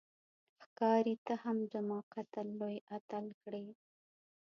ښکاري ته هم زما قتل لوی اتل کړې